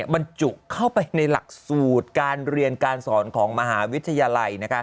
บรรจุเข้าไปในหลักสูตรการเรียนการสอนของมหาวิทยาลัย